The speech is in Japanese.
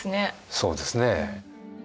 そうですね。